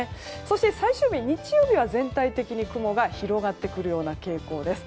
最終日、日曜日は全体的に雲が広がってくるような傾向です。